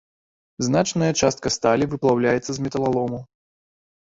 Значная частка сталі выплаўляецца з металалому.